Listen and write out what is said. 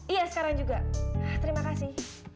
iya sekarang juga terima kasih